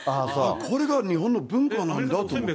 これが日本の文化なんだと思って。